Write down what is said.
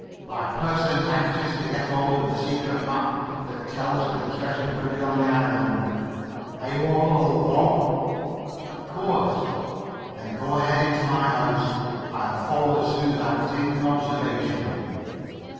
"By persons anxious to get hold of the secret map that tells of the treasure buried on the island. Are you all alone, Bob?" "Of course." "Then go ahead into my house. I'll follow as soon as I've taken an observation."